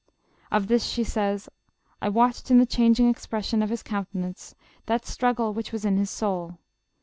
Of this she says, "I watched in the chang ing expression of his countenance, that struggle which was in his soul.